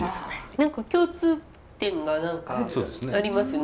何か共通点がありますね。